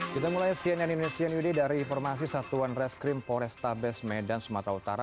kita mulai cnn indonesian ud dari informasi satuan reskrim poresta bes medan sumatera utara